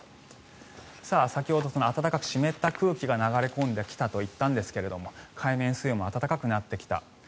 先ほど、暖かく湿った空気が流れ込んできたと言ったんですが海面水温も暖かくなってきた。